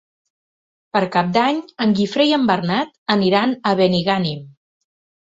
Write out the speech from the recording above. Per Cap d'Any en Guifré i en Bernat aniran a Benigànim.